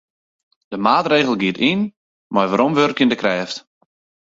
De maatregel giet yn mei weromwurkjende krêft.